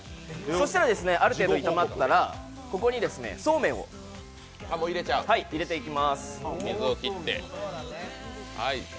そして、ある程度炒まったらここにそうめんを入れていきます。